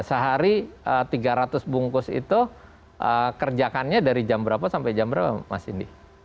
sehari tiga ratus bungkus itu kerjakannya dari jam berapa sampai jam berapa mas indi